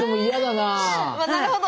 なるほど。